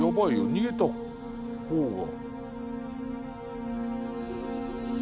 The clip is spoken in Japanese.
逃げた方が。